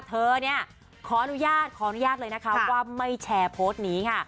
เธอเนี่ยขออนุญาตขออนุญาตเลยนะคะว่าไม่แชร์โพสต์นี้ค่ะ